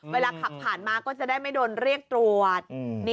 เวลาขับผ่านมาก็จะได้ไม่โดนเรียกตรวจ